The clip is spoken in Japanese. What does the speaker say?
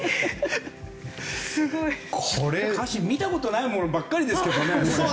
見たことないものばかりですけどね。